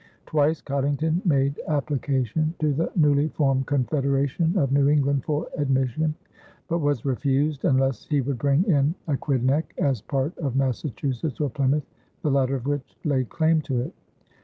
Twice Coddington made application to the newly formed Confederation of New England for admission, but was refused unless he would bring in Aquidneck as part of Massachusetts or Plymouth, the latter of which laid claim to it.